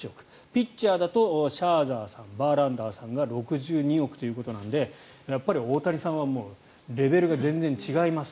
ピッチャーだとシャーザーさんバーランダーさんが６２億ということなのでやっぱり大谷さんはレベルが全然違います